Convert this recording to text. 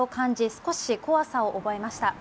少し怖さを覚えました。